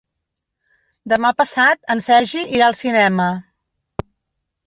Demà passat en Sergi irà al cinema.